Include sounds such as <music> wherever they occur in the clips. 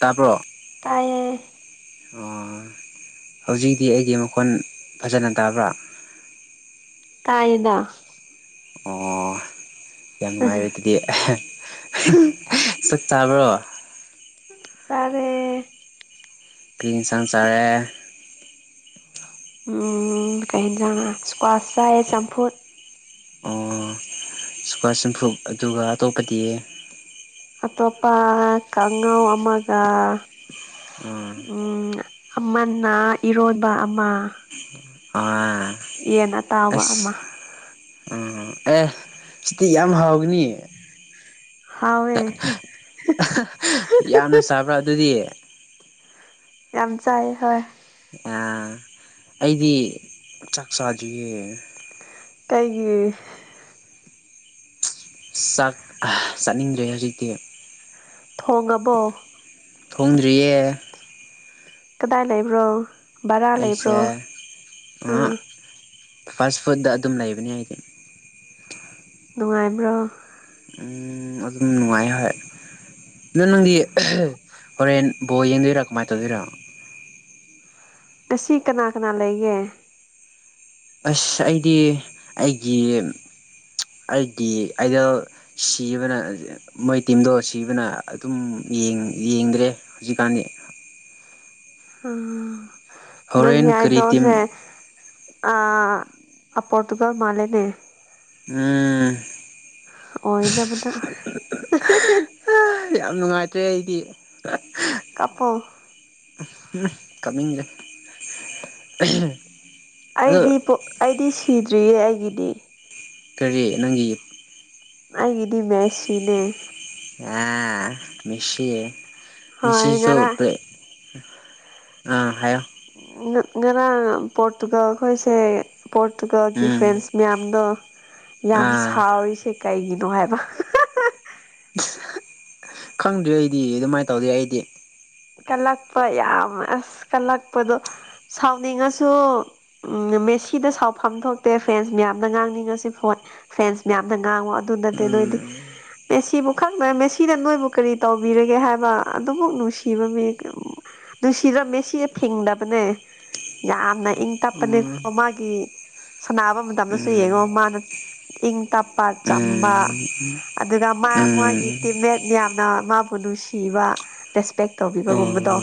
ꯇꯥꯕꯔꯣ ꯇꯥꯏꯌꯦ ꯑꯣ ꯍꯧꯖꯤꯛꯇꯤ ꯑꯩꯒꯤ ꯃꯈꯣꯟ ꯐꯖꯅ ꯇꯥꯕ꯭ꯔꯥ ꯀꯥꯏꯗ ꯑꯣ ꯏ ꯅꯨꯡꯉꯥꯏꯔꯦ ꯗꯤ ꯆꯥꯛ ꯆꯥꯕ꯭ꯔꯣ ꯆꯔꯦ ꯀꯔꯤ ꯌꯦꯟꯁꯥꯡ ꯆꯥꯔꯑꯦ ꯎꯝ ꯀꯩꯖꯥꯡ ꯂ ꯁꯀ꯭ꯋꯥꯁ ꯆꯥꯏꯌ‌ꯦ ꯆꯝꯐꯨꯠ ꯑꯣ ꯁꯀ꯭ꯋꯥꯔꯁ ꯏꯝꯐꯨꯞ ꯑꯗꯨꯒ ꯑꯇꯣꯞꯄꯗꯤ ꯑꯇꯣꯞꯄ ꯀꯥꯡꯉꯧ ꯑꯃꯒ ꯑꯥ ꯎꯝ ꯑꯃꯅ ꯏꯔꯣꯏꯕ ꯑꯃ ꯑ ꯌꯦꯟ ꯑꯇꯥꯕ ꯑꯃ ꯎꯝ ꯑꯦ ꯁꯤꯇꯤ ꯌꯥꯝ ꯍꯥꯎꯒꯅꯤꯌꯦ ꯍꯋꯦ ꯌꯥꯝꯅ ꯆꯥꯕ꯭ꯔꯥ ꯑꯗꯨꯗꯤ ꯌꯥꯝ ꯆꯥꯏ ꯍꯣꯏ ꯑ ꯑꯩꯗꯤ ꯆꯥꯛ ꯆꯥꯗꯔꯤꯌ ꯀꯩꯒꯤ ꯆꯥꯛ ꯆꯥꯅꯤꯡꯗ꯭ꯔꯦ ꯍꯧꯖꯤꯛꯇꯤ ꯊꯣꯡꯉꯕꯣ ꯊꯣꯡꯗ꯭ꯔꯤꯌꯦ ꯀꯗꯥꯏ ꯂꯩꯕ꯭ꯔꯣ ꯕꯔꯥ ꯑꯩꯁꯦ ꯂꯩꯕ꯭ꯔꯣ ꯑꯥ ꯐꯥꯁ ꯐꯨꯗ ꯑꯗꯨꯝ ꯂꯩꯕꯅꯤ ꯍꯥꯏꯗꯤ ꯅꯨꯡꯉꯥꯏꯕ꯭ꯔꯣ ꯎꯝ ꯑꯗꯨꯝ ꯅꯨꯡꯉꯥꯏ ꯍꯣꯏ ꯅꯗꯣ ꯅꯪꯗꯤ ꯍꯣꯔꯦꯟ ꯕꯣ ꯌꯦꯡꯗꯣꯏꯔꯥ ꯀꯃꯥꯏꯅ ꯇꯧꯗꯣꯏꯔ ꯑꯁꯤ ꯀꯅꯥ ꯀꯅꯥ ꯂꯩꯒꯦ ꯑꯁ ꯑꯩꯗꯤ ꯑꯩꯒꯤ ꯑꯩꯗꯤ ꯑꯗ ꯁꯤꯕꯅ ꯃꯣꯏ ꯇꯤꯝꯗꯣ ꯁꯤꯕꯅ ꯑꯗꯨꯝ ꯌꯦꯡꯗ꯭ꯔꯦ ꯍꯧꯖꯤꯛꯀꯥꯟꯗꯤ ꯎ ꯅꯪ ꯍꯣꯔꯦꯟ ꯀꯔꯤ ꯇꯤꯝ ꯍꯥꯏꯗꯣꯁꯦ ꯑ ꯄꯣꯔꯇꯨꯒꯜ ꯃꯥꯂꯦꯅꯦ ꯎꯝ ꯑꯣꯏ ꯏꯅꯕꯅ ꯌꯥꯝ ꯅꯨꯡꯉꯥꯏꯇ꯭ꯔꯦ ꯑꯩꯗꯤ ꯀꯞꯄꯣ ꯎꯝ ꯀꯃꯤ ꯂꯩ <inaudible> <unintelligible> ꯑꯩꯗꯤ ꯑꯩꯗꯤ ꯁꯤꯗ꯭ꯔꯤꯌꯦ ꯑꯩꯒꯤꯗꯤ ꯀꯔꯤ ꯅꯪꯒꯤ ꯅꯒꯤꯗꯤ ꯃꯦꯁꯤꯅꯦ ꯑꯦ ꯃꯁꯤ ꯍꯣꯏ ꯉꯔꯥꯡ ꯃꯤꯁꯤꯁꯨꯇ <inaudible> ꯑꯥ ꯍꯥꯏ ꯉꯔꯥꯡ ꯄꯣꯔꯇꯨꯒꯜ ꯑꯩꯈꯣꯏꯁꯦ ꯄꯣꯔꯇꯨꯒꯜꯒꯤ ꯎꯝ ꯐ꯭ꯔꯦꯟꯁ ꯃꯌꯥꯝꯗꯣ ꯌꯥꯝ ꯑꯥ ꯁꯥꯎꯔꯤꯁꯦ ꯀꯩꯒꯤꯅꯣ ꯍꯥꯏꯕ ꯈꯪꯗ꯭ꯦ ꯑꯩꯗꯤ ꯑꯗꯨꯃꯥꯏꯅ ꯇꯧꯗꯦ ꯑꯩꯗꯤ ꯀꯠꯂꯛꯄ ꯌꯥꯝ ꯑꯁ ꯀꯜꯂꯛꯄꯗꯣ ꯁꯥꯎꯅꯤꯡꯉꯁꯨ ꯎꯝ ꯃꯦꯁꯤꯗ ꯁꯥꯎꯐꯝ ꯊꯣꯛꯇꯦ ꯐ꯭ꯔꯦꯟꯁ ꯃꯌꯥꯝꯅ ꯉꯥꯡꯅꯤꯡꯉꯁꯤ ꯐꯣꯟ ꯐ꯭ꯔꯦꯟꯁ ꯃꯌꯥꯝꯅ ꯉꯥꯡꯉꯣ ꯑꯗꯨ ꯅꯠꯇꯦ ꯅꯣꯏꯗꯤ ꯎꯝ ꯃꯦꯁꯤꯕꯨ ꯈꯪꯅ ꯃꯦꯁꯤ ꯅꯣꯏꯕꯨ ꯀꯔꯤ ꯇꯧꯕꯤꯔꯒꯦ ꯍꯥꯏꯕ ꯑꯗꯨꯃꯛ ꯅꯨꯡꯁꯤ ꯅꯨꯡ ꯁꯤꯕꯝꯃꯦ <inaudible> ꯅꯨꯡꯁꯤꯗꯔ ꯃꯦꯁꯤꯁꯦ ꯐꯤꯡꯗꯕꯅꯦ ꯌꯥꯝꯅ ꯏꯪ ꯎꯝ ꯇꯞꯄꯅꯦꯀꯣ ꯃꯥꯒꯤ ꯁꯅꯥꯕ ꯃꯇꯝꯗꯁꯨ ꯌꯦꯡꯉꯣ ꯃꯥꯅ ꯏꯪ ꯇꯞꯄꯥ ꯆꯝꯕꯥ ꯑꯗꯨꯒ ꯃꯥ ꯃꯥꯒꯤ ꯇꯤꯝꯃꯦꯠ ꯌꯥꯝꯅ ꯃꯥꯕꯨ ꯅꯨꯡꯁꯤꯕ ꯔꯦꯁꯄꯦꯛ ꯇꯧꯕꯤꯕꯒꯨꯝꯕꯗꯣ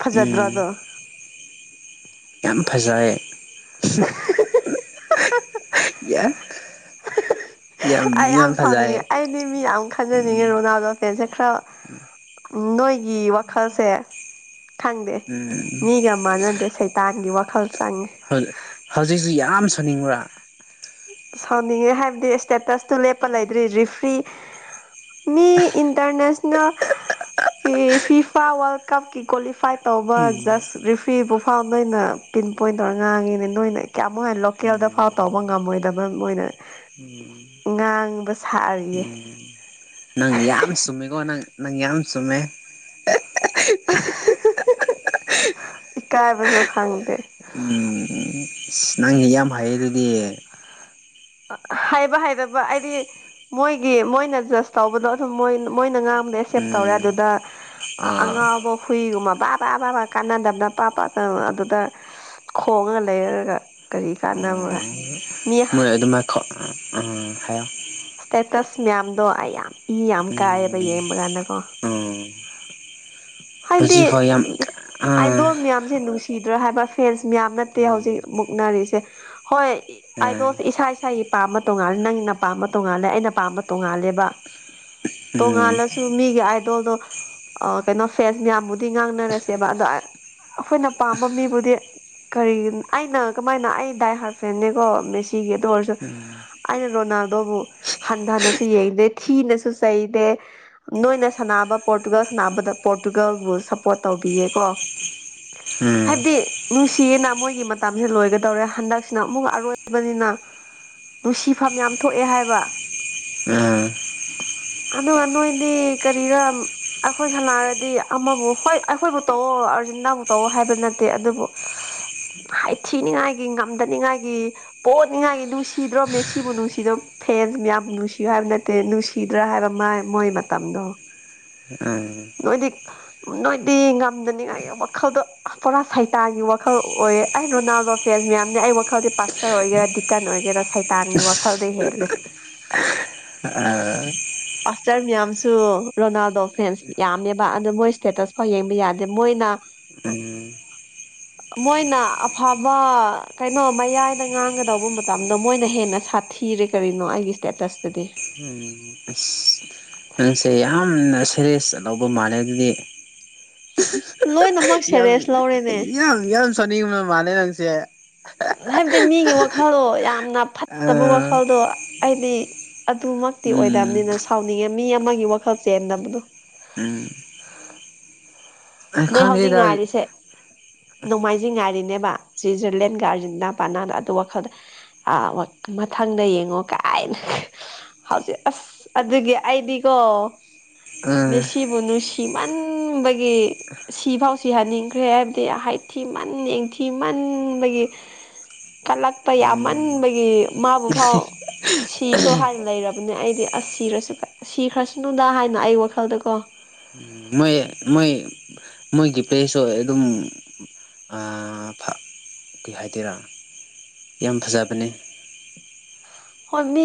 ꯐꯖꯗ꯭ꯔꯣꯗꯣ <inaudible> ꯌꯥꯝ ꯐꯖꯩ <inaudible> ꯌꯥ <inaudible> ꯑꯩ ꯌꯥꯝ ꯁꯥꯎꯅꯤꯡꯉꯦ ꯑꯩꯗꯤ ꯃꯤ ꯌꯥꯝ ꯈꯟꯖꯅꯤꯡꯉꯦ ꯎꯝ ꯔꯣꯅꯥꯜꯗꯣ ꯑꯦꯦꯟꯁꯦ ꯈꯔ ꯅꯣꯏꯒꯤ ꯋꯥꯈꯜꯁꯦ ꯈꯪꯗꯦ ꯎꯝ ꯃꯤꯒ ꯃꯥꯟꯅꯗꯦ ꯁꯩꯇꯥꯟꯒꯤ ꯋꯥꯈꯜ ꯆꯪꯉꯦ ꯍꯧꯖꯤꯛꯁꯤ ꯌꯥꯝ ꯁꯥꯅꯤꯡꯕ꯭ꯔꯥ ꯁꯥꯎꯅꯤꯡꯉꯦ ꯍꯥꯏꯕꯗꯤ ꯏꯁꯇꯦꯇꯁꯇꯨ ꯂꯦꯞꯄ ꯂꯩꯗ꯭ꯔꯤ ꯔꯤꯐ꯭ꯔꯤ ꯃꯤ ꯏꯟꯇꯔꯅꯦꯁꯅꯦꯜ ꯑꯦ ꯐꯤꯐꯥ ꯋꯥꯔꯜ ꯀꯞꯀꯤ ꯀ꯭ꯋꯥꯂꯤꯐꯥꯏ ꯇꯧꯕ ꯎꯝ ꯖꯁ ꯔꯤꯐ꯭ꯤ ꯄꯨꯨ ꯐꯥꯎ ꯅꯣꯏꯅ ꯄꯤꯟ ꯄꯣꯏꯟ ꯇꯧꯔ ꯉꯥꯡꯉꯤꯅꯦ ꯅꯣꯏꯅ ꯀꯌꯥꯃꯨꯛ ꯍ ꯂꯣꯀꯦꯜꯗ ꯐꯥꯎ ꯇꯧꯕ ꯉꯝꯃꯣꯏꯅ ꯗꯣꯏꯅ ꯎꯝ ꯉꯥꯡꯕ ꯁꯥꯔꯤꯌꯦ ꯎꯝ ꯅꯪ ꯌꯥꯝ ꯁꯨꯝꯃꯦꯀꯣ ꯅꯪ ꯅꯪ ꯌꯥꯝ ꯁꯨꯝꯃꯦ ꯏꯀꯥꯏꯕꯁꯨ ꯈꯪꯗꯦ ꯑꯁ ꯅꯪꯁ ꯌꯥꯝ ꯍꯩꯌꯦ ꯑꯗꯨꯗꯤ ꯍꯥꯏꯕ ꯍꯥꯏꯩꯕ ꯍꯥꯏꯗꯤ ꯃꯣꯏꯒꯤ ꯃꯣꯏꯅ ꯖꯁ ꯇꯧꯕꯗꯣ ꯑꯗꯨꯝꯣꯏ ꯃꯣꯏꯅ ꯉꯥꯡ ꯁꯦꯞ ꯇꯧꯔꯦ ꯎꯝ ꯑꯗꯨꯗ ꯑꯥ ꯑꯉꯥꯎꯕ ꯍꯨꯏꯒꯨꯝꯕ ꯕꯥ ꯕꯥ ꯕꯥꯕꯕꯥ ꯀꯥꯟꯅꯗꯕꯅ ꯄꯥ ꯄꯥꯪ ꯑꯗꯨꯗ <inaudible> ꯈꯣꯡꯉ ꯂꯩꯔꯒ ꯀꯔꯤ ꯑꯣ ꯀꯥꯟꯅꯕ꯭ꯔꯥ ꯃꯤ ꯃꯣꯏ ꯑꯗꯨꯃꯥꯏ ꯍꯥꯏꯌꯣ <inaudible> ꯁꯇꯦꯇꯁ ꯃꯌꯥꯝꯗꯣ ꯑꯩꯌꯥꯝ ꯎ ꯑꯣ <inaudible> ꯍꯥꯏꯗꯤ ꯍꯧꯖꯤꯛꯐꯥꯎ ꯌꯥꯝ ꯑꯥ ꯑꯥꯏꯗꯣꯟꯜ ꯃꯌꯥꯝꯁꯦ ꯅꯨꯡꯁꯤ ꯁꯤꯗ꯭ꯔꯥ ꯍꯥꯏꯕ ꯐꯦꯟꯁ ꯃꯌꯥꯝ ꯅꯠꯇꯦ ꯎꯝ ꯍꯧꯖꯤꯛ ꯃꯨꯛꯅꯔꯤꯁꯦ ꯍꯣꯏ ꯑꯩꯗꯣꯁ ꯑꯁ ꯏꯁꯥ ꯏꯁꯥꯒꯤ ꯄꯥꯝꯕ ꯇꯣꯉꯥꯜꯂꯦ ꯅꯪꯅ ꯄꯥꯝꯕ ꯇꯣꯉꯥꯜꯂꯦ ꯑꯩꯅ ꯄꯥꯝꯕ ꯇꯣꯉꯥꯜꯂꯦꯕ ꯇꯣꯉꯥꯜꯂꯁꯨ ꯃꯤꯒꯤ ꯑꯥꯏꯗꯣꯜꯗꯣ ꯀꯩꯅꯣ ꯐꯦꯟꯁ ꯃꯌꯥꯝꯕꯨꯗꯤ ꯉꯥꯡꯅꯔꯁꯦꯕ ꯑꯗꯣ ꯑꯩꯈꯣꯏꯅ ꯄꯥꯝꯕ ꯃꯤꯕꯨꯗꯤ ꯀꯔꯤ ꯑꯩꯅ ꯀꯃꯥꯏꯅ ꯑꯩ ꯗꯥꯏ ꯍꯥꯔꯐꯦꯡꯅꯤꯀꯣ ꯃꯦꯁꯤꯒꯤ ꯑꯗꯨ ꯑꯣꯏꯔꯁꯨ ꯑꯩꯅ ꯔꯣꯅꯥꯜꯗꯣꯕꯨ ꯍꯟꯊꯅꯁꯨ ꯌꯦꯡꯗꯦ ꯊꯤꯅꯁꯨ ꯆꯩꯗꯦ ꯅꯣꯏꯅ ꯁꯥꯟꯅꯕ ꯄꯣꯔꯇꯨꯒꯜ ꯁꯥꯟꯅꯕꯗ ꯄꯣꯔꯇꯨꯒꯜꯕꯨ ꯁꯞꯄꯣꯔꯠ ꯇꯧꯕꯤꯌꯦꯀꯣ ꯎꯝ ꯍꯥꯏꯕꯗꯤ ꯅꯨꯡꯁꯤꯌꯦꯅ ꯃꯣꯏꯒꯤ ꯃꯇꯝꯁꯤ ꯂꯣꯏꯒꯗꯧꯔꯦ ꯍꯟꯗꯛꯁꯤꯅ ꯑꯃꯨꯛꯒ ꯑꯔꯣꯏꯕꯅꯤꯅ ꯅꯨꯡꯁꯤꯐꯝ ꯌꯥꯝ ꯊꯣꯛꯑꯦ ꯍꯥꯏꯕ ꯑꯗꯨꯒ ꯅꯣꯏꯗꯤ ꯀꯔꯤꯔ ꯑꯩꯈꯣꯏ <unintelligible> ꯗꯤ ꯑꯃꯕꯨ ꯍꯣꯏ ꯑꯩꯈꯣꯏꯕꯨ ꯇꯧꯑꯣ ꯑꯥꯔꯖꯤꯅꯥꯕꯨ ꯇꯧꯑꯣ ꯍꯥꯏꯕ ꯅꯠꯇꯦ ꯑꯗꯨꯕꯨ ꯍꯥꯏꯊꯤꯅꯤꯉꯥꯏꯒꯤ ꯉꯝꯗꯅꯤꯡꯉꯥꯏꯒꯤ ꯄꯣꯠꯅꯤꯡꯉꯥꯏꯒꯤ ꯅꯨꯡꯁꯤꯗ꯭ꯔꯣ ꯃꯦꯁꯤꯕꯨ ꯅꯨꯡꯁꯤꯗ꯭ꯔ ꯐꯦꯟꯁ ꯃꯌꯥꯝ ꯅꯨꯡꯁꯤꯌꯨ ꯍꯥꯏꯕ ꯅꯠꯇꯦ ꯅꯨꯡꯁꯤꯗ꯭ꯔꯥ ꯍꯥꯏꯕ ꯃꯥ ꯃꯣꯏ ꯃꯇꯝꯗꯣ ꯑꯥ ꯅꯣꯏꯗꯤ ꯅꯣꯏꯗꯤ ꯉꯝꯗꯅꯤꯡꯉꯥꯏꯒꯤ ꯋꯥꯈꯜꯗꯣ ꯄꯨꯔꯥ ꯁꯥꯏꯇꯒꯤ ꯋꯥꯈꯜ ꯑꯣꯏꯌꯦ ꯑꯩ ꯔꯣꯅꯥꯜꯗꯣ ꯐꯦꯁ ꯃꯌꯥꯝꯅꯦ ꯑꯩ ꯋꯥꯈꯜꯗꯤ ꯄꯥꯁꯇꯔ ꯑꯣꯏꯒꯦꯔꯥ ꯗꯤꯀꯟ ꯑꯣꯏꯒꯦꯔꯥ ꯁꯩꯇꯥꯟꯒꯤ ꯋꯥꯈꯜꯗ ꯍꯦꯜꯂꯦ <unintelligible> ꯄꯥꯁꯇꯔ ꯃꯌꯥꯝꯁꯨ ꯔꯣꯅꯥꯜꯗꯣ ꯐꯦꯟꯁ ꯌꯥꯝꯃꯦꯕ ꯑꯗꯨ ꯃꯣꯏ ꯏꯁꯇꯦꯇꯁ ꯐꯥꯎ ꯌꯦꯡꯕ ꯌꯥꯗꯦ ꯃꯣꯏꯅ ꯃꯣꯏꯅ ꯑꯐꯕ ꯀꯩꯅꯣ ꯃꯌꯥꯏꯗ ꯉꯥꯡꯒꯗꯧꯕ ꯃꯇꯝꯗꯣ ꯃꯣꯏꯅ ꯍꯦꯟꯅ ꯁꯥꯠ ꯊꯤꯔꯦ ꯀꯔꯤꯅꯣ ꯑꯩꯒꯤ ꯁ꯭ꯇꯦꯇꯁꯇꯗꯤ ꯎꯝ <unintelligible> ꯅꯪꯁꯦ ꯌꯥꯝꯅ ꯁꯦꯔꯤꯁ ꯂꯧꯕ ꯃꯥꯜꯂꯦ ꯑꯗꯨꯗꯤ ꯂꯣꯏꯅꯃꯛ ꯁꯦꯔꯦꯁ ꯂꯧꯔꯦꯅꯦ ꯌꯥꯝ ꯌꯥꯝ <unintelligible> ꯃꯥꯅꯦ ꯅꯪꯁꯦ ꯍꯥꯏꯕꯗꯤ ꯃꯤꯒꯤ ꯋꯥꯈꯜꯗꯣ ꯌꯥꯝꯅ ꯐꯠꯇꯕ ꯋꯥꯈꯜꯗꯣ ꯑꯩꯗꯤ ꯑꯗꯨꯃꯛꯇꯤ ꯎꯝ ꯑꯣꯏꯗꯕꯅꯤꯅ ꯁꯥꯎꯅꯤꯡꯉꯦ ꯃꯤ ꯑꯃꯒꯤ ꯋꯥꯈꯜ ꯆꯦꯟꯗꯕꯗꯣ ꯎꯝ ꯅꯣꯏ ꯍꯧꯖꯤꯛ ꯈꯪꯗꯦꯗ ꯉꯥꯏꯔꯤꯁꯦ ꯅꯣꯡꯃꯥꯏꯖꯤꯡ ꯉꯥꯏꯔꯤꯅꯦꯕ ꯁ꯭ꯋꯤꯖꯔꯂꯦꯟ ꯑꯔꯖꯦꯟꯅꯥꯄꯥꯅꯥꯗ ꯑꯗꯨ ꯋꯥꯈꯜꯗ ꯑꯥ ꯃꯊꯪꯗ ꯌꯦꯡꯉꯣ ꯀꯥꯏꯅ ꯍꯧꯖꯤꯛ ꯑꯁ ꯑꯗꯨꯒꯤ ꯑꯩꯗꯤꯀꯣ ꯑ ꯃꯤꯁꯤ ꯃꯅꯨꯁꯤꯃꯥꯟ ꯕꯒꯤ ꯁꯤꯐꯥꯎꯁꯤ ꯍꯥꯟꯅꯤꯡꯈ꯭ꯔꯦ ꯍꯥꯏꯕꯗꯤ ꯍꯥꯏꯊꯤ ꯃꯟ ꯌꯦꯡꯊꯤ ꯃꯟꯕꯒꯤ ꯀꯜꯂꯛꯄ ꯌꯥꯝꯃꯟꯕꯒꯤ ꯃꯥꯕꯨ ꯐꯥꯎ ꯁꯤꯈ꯭ꯔꯣ ꯍꯥꯏꯅ ꯂꯩꯔꯕꯅꯦ ꯑꯩꯗꯤ ꯑꯁ ꯁꯤꯔꯁꯨ ꯁꯤꯈ꯭ꯔꯁꯅꯨꯗ ꯍꯥꯏꯅ ꯑꯩ ꯋꯥꯈꯜꯗ ꯀꯣ <unintelligible> ꯃꯣꯏ ꯃꯣꯏꯒꯤ ꯄ꯭ꯂꯦꯁꯨ ꯑꯗꯨꯝ ꯑꯥ ꯀꯩ ꯍꯥꯏꯗꯣꯏꯔꯥ ꯌꯥꯝ ꯐꯖꯕꯅꯦ ꯍꯣꯏ ꯃꯤ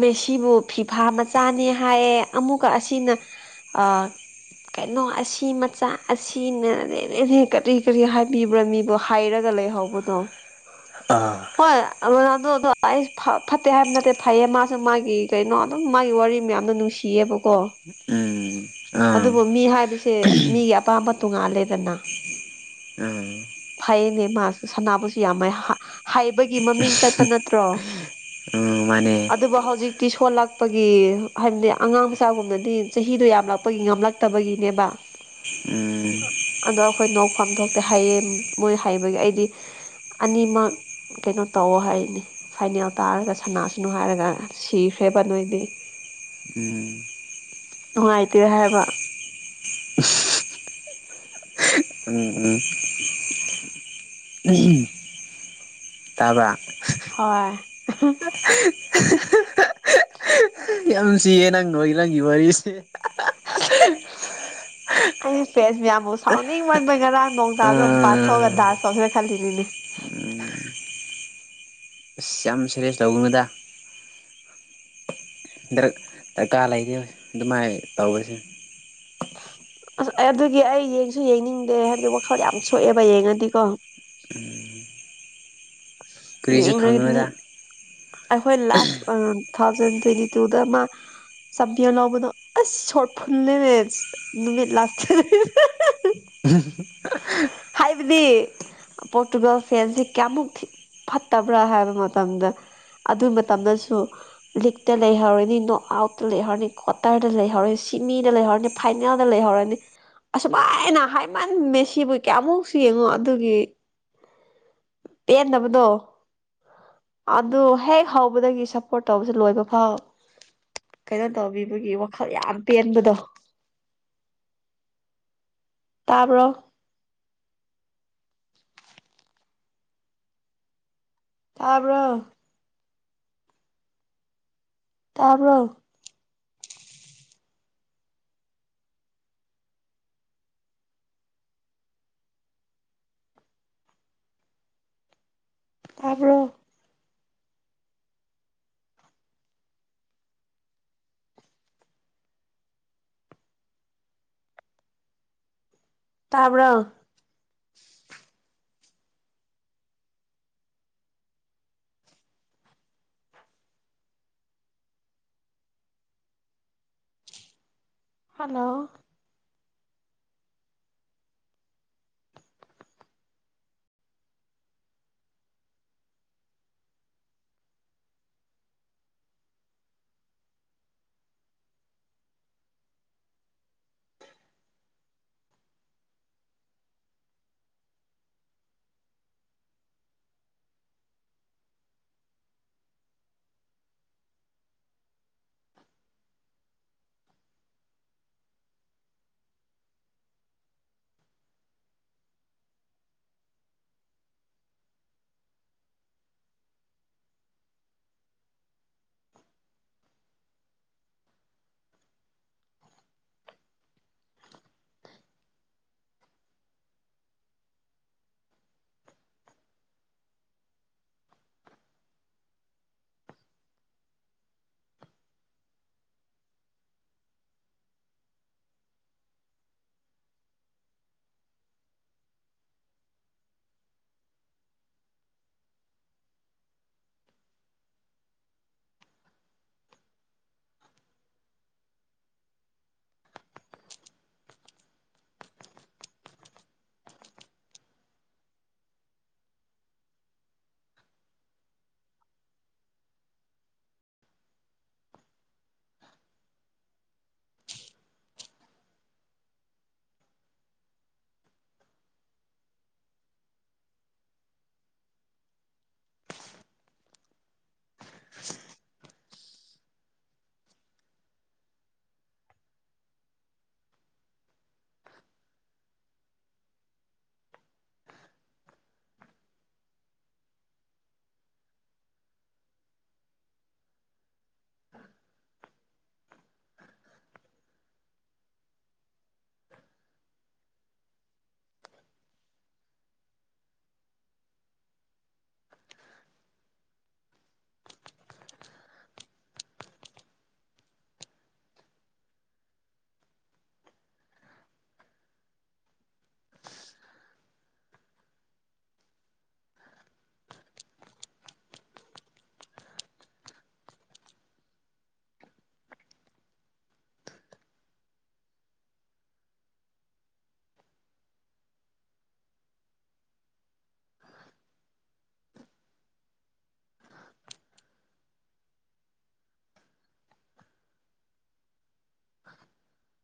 ꯃ‌ꯦꯁꯤꯕꯨ ꯐꯤꯐꯥ ꯃꯆꯥꯅꯤ ꯍꯥꯏꯌꯦ ꯑꯃꯨꯛꯀ ꯑꯁꯤꯅ ꯑꯥ ꯀꯩꯅꯣ ꯑꯁꯤ ꯃꯆꯥ ꯑꯁꯤ <unintelligible> ꯀꯔꯤ ꯀꯔꯤ ꯍꯥꯏꯕꯤꯕ꯭ꯔꯥ ꯃꯤꯕꯣ ꯍꯥꯏꯔꯒ ꯂꯩꯍꯧꯕꯗꯣ ꯑꯥ ꯍꯣꯏ‌ ꯔ‌ꯣꯅꯥꯜꯗ‌ꯣꯗ‌ꯣ ꯑꯩꯁꯨ ꯐ ꯐꯠꯇꯦ ꯍꯥꯏꯕ ꯅꯠꯇꯦ ꯐꯩꯌꯦ ꯃꯥꯁꯨ ꯃꯥꯒꯤ ꯀꯩꯅꯣ ꯑꯗꯨꯝ ꯃꯥꯒꯤ ꯋꯥꯔꯤ ꯃꯌꯥꯝꯅ ꯅꯨꯡꯁꯤꯌꯦꯕꯀꯣ ꯎꯝ ꯑꯥ ꯑꯗꯨꯕꯨ ꯃꯤ ꯍꯥꯏꯕꯁꯦ ꯃꯤꯒꯤ ꯑꯄꯥꯝꯕ ꯇꯣꯡꯉꯥꯜꯂꯦꯗꯅ ꯎꯝ ꯐꯩꯅꯦ ꯃꯥꯁꯨ ꯁꯅꯥꯕꯨꯁꯨ ꯌꯥꯝ ꯍꯥꯏꯩꯕꯒꯤ ꯃꯃꯤꯡ ꯆꯠꯄ ꯅꯠꯇ꯭ꯔꯣ ꯎꯝ ꯃꯅꯦ ꯑꯗꯨꯕꯨ ꯍꯧꯖꯤꯛꯇꯤ ꯁꯣꯜꯂꯛꯄꯒꯤ ꯍꯥꯏꯕꯗꯤ ꯑꯉꯥꯡ ꯃꯆꯥꯒꯨꯝꯅꯗꯤ ꯆꯍꯤꯗꯣ ꯌꯥꯝꯂꯞ ꯄꯩ ꯉꯝꯂꯛꯇꯕꯒꯤꯅꯦꯕ ꯎꯝ ꯑꯗꯣ ꯑꯩꯈꯣꯏ ꯅꯣꯛꯐꯝ ꯊꯣꯛꯇꯦ ꯍꯩꯌꯦ ꯃꯣꯏ ꯍꯩꯕꯒꯤ ꯑꯩꯗꯤ ꯑꯅꯤꯃꯛ ꯀꯩꯅꯣ ꯇꯧ ꯍꯥꯏꯅꯤ ꯐꯥꯏꯅꯦꯜ ꯇꯥꯔꯒ ꯁꯅꯥꯁꯅꯨ ꯍꯥꯏꯔꯒ ꯁꯤꯈ꯭ꯔꯦꯕ ꯅꯣꯏꯗꯤ ꯎꯝ <unintelligible> ꯍꯥꯏꯕ ꯎꯝ ꯎꯝ <unintelligible> ꯇꯥꯕ꯭ꯔꯥ ꯍ‌ꯣꯏ ꯌꯥꯝ ꯅꯨꯁꯤꯌꯦ ꯅꯪ ꯅꯣꯏꯒꯤ ꯅꯪꯒꯤ ꯋꯥꯔꯤꯁꯦ ꯑꯩ ꯄꯦꯁꯕꯤꯌꯥꯝꯕꯨ ꯆꯥꯎꯅꯤ ꯄꯌꯥꯟꯕ ꯉꯔꯥꯡ ꯅꯣꯡ ꯇꯕꯗꯣ ꯃꯄꯥꯟꯊꯣꯛꯑꯒ ꯑꯁ ꯗꯥꯟꯁ ꯇꯧꯁꯤꯔꯥ ꯈꯜꯂꯤꯅꯤꯅꯦ ꯑꯁ ꯌꯥꯝ ꯁꯦꯔꯤꯁ ꯇꯧꯒꯅꯨꯗ ꯗꯔꯀꯥꯔ ꯂꯩꯔꯤ ꯑꯗꯨꯃꯥꯏꯅ ꯇꯧꯕꯁꯦ ꯑꯁ ꯑꯗꯨꯒꯤ ꯑꯩ ꯌꯦꯡꯁꯨ ꯌꯦꯡꯅꯤꯡꯗꯦ ꯍꯥꯏꯕꯗꯤ ꯋꯥꯈꯜ ꯌꯥꯝ ꯁꯣꯛꯑꯦꯕ ꯌꯦꯡꯉꯗꯤꯀꯣ ꯎꯝ ꯀ꯭ꯔꯤꯁꯨ ꯌꯦꯡꯉꯅꯤ ꯈꯪꯉ‌ꯣꯏꯗ ꯑꯩꯈꯣꯏ ꯂꯥꯁ ꯇꯨ ꯊꯥꯎꯖꯟ ꯇ꯭ꯋꯦꯟꯇꯤ ꯇꯨꯗ ꯑꯃ <unintelligible> ꯂꯎꯕꯗꯣ ꯑꯁ ꯁꯣꯔ ꯐꯨꯜꯂꯦꯁ ꯅꯨꯃꯤꯠ ꯂꯥꯁꯇ <unintelligible> ꯍꯥꯏꯕꯗꯤ ꯄꯣꯔꯇꯨꯒꯜ ꯐꯦꯟꯁꯤ ꯀꯌꯥꯃꯨꯛ ꯐꯠꯇꯕ꯭ꯔꯥ ꯍꯥꯏꯕ ꯃꯇꯝꯗ ꯑꯗꯨ ꯃꯇꯝꯗꯁꯨ ꯂꯤꯛꯇ ꯂꯩꯍꯧꯔꯅꯤ ꯅꯣꯠ ꯑꯥꯎꯠꯇ ꯂꯩꯍꯧꯔꯅꯤ ꯀ꯭ꯋꯥꯇꯔꯗ ꯂꯩꯍꯧꯔꯅꯤ ꯁꯤ ꯃꯤꯗ ꯂꯩꯍꯧꯔꯗꯤ ꯐꯥꯏꯅꯦꯜꯗ ꯂꯩꯍꯧꯔꯅꯤ ꯑꯁꯨꯃꯥꯏꯅ ꯍꯥꯏꯃꯟ ꯃꯦꯁꯤꯕꯨ ꯀꯌꯥꯃꯨꯛꯁꯨ ꯌꯦꯡꯉꯣ ꯑꯗꯨꯒꯤ ꯄꯦꯟꯗꯕꯗꯣ ꯑꯗꯨ ꯍꯦꯛ ꯍꯧꯕꯗꯒꯤ ꯁꯞꯄꯣꯔ꯭ꯠ ꯇꯧꯕꯁ ꯂꯣꯏꯕ ꯐꯥꯎ ꯀꯩꯅꯣ ꯇꯧꯕꯤꯕꯒꯤ ꯋꯥꯈꯜ ꯌꯥꯝ ꯄꯦꯟꯕꯗꯣ ꯇꯥꯕ꯭ꯔꯣ ꯇꯥꯕ꯭ꯔꯣ ꯇꯥꯕ꯭ꯔꯣ ꯇꯥꯕ꯭ꫪꫭ ꯇꯥꯕ꯭ꯔꯣ ꯍꯜꯂꯣ <unintelligible> <unintelligible>